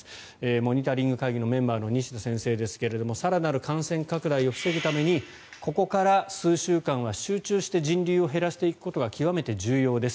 モニタリング会議のメンバーの西田先生ですが更なる感染拡大を防ぐためにここから数週間は集中して人流を減らしていくことが極めて重要です。